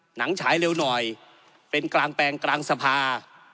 ฉายเร็วหน่อยเป็นกลางแปลงกลางสภา